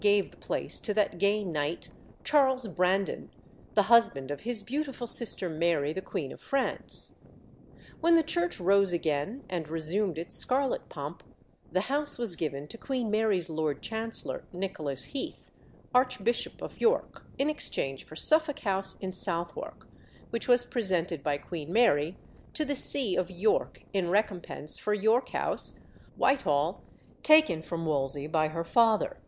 gave the place to that gay knight Charles Brandon, the husband of his beautiful sister Mary, the Queen of France. When the Church rose again and resumed its scarlet pomp, the house was given to Queen Mary's Lord Chancellor, Nicholas Heath, Archbishop of York, in exchange for Suffolk House in Southwark, which was presented by Queen Mary to the see of York in recompense for York House, Whitehall, taken from Wolsey by her father.